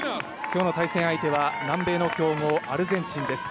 今日の対戦相手は南米の強豪・アルゼンチンです。